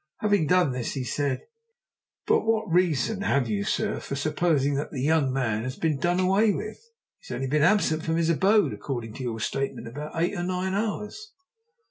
Having done this, he said: "But what reason have you, sir, for supposing that the young man has been done away with? He has only been absent from his abode, according to your statement, about eight or nine hours."